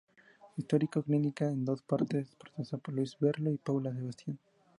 Historia clínica en dos partes", protagonizada por Luis Merlo y Paula Sebastián.